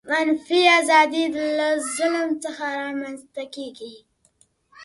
منفي آزادي له ظلم څخه رامنځته کیږي.